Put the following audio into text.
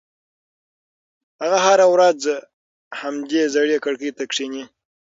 هغه هره ورځ همدې زړې کړکۍ ته کښېني.